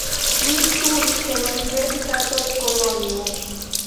Li studis en la universitato de Kolonjo.